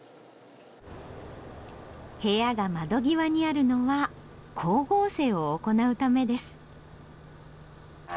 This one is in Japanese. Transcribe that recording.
部屋が窓際にあるのは光合成を行うためです。